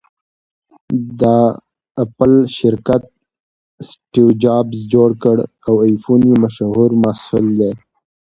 د اپل شرکت اسټیوجابز جوړ کړ٬ او ایفون یې مشهور محصول دی